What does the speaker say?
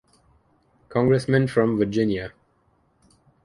Congressman from Virginia.